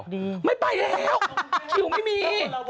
ไม่ไปแล้วคิวไม่มี